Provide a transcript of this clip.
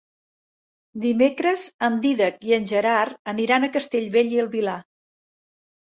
Dimecres en Dídac i en Gerard aniran a Castellbell i el Vilar.